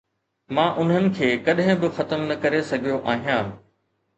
مان انهن کي ڪڏهن به ختم نه ڪري سگهيو آهيان